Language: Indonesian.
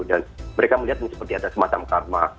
dan mereka melihat ini seperti ada semacam karma